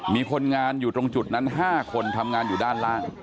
มีคนงานอยู่ตรงจุดนั้น๕คนทำงานอยู่ด้านล่าง